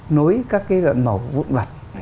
nối các cái loại mẫu vụn vặt